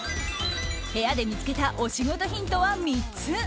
部屋で見つけたお仕事ヒントは３つ。